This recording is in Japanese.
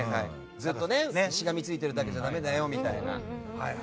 ずっとしがみついてるだけじゃダメだよみたいな。